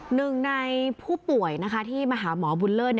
หนึ่งในผู้ป่วยที่มาหาหมอบุญเลิศ